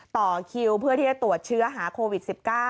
ต่อคิวเพื่อที่จะตรวจเชื้อหาโควิด๑๙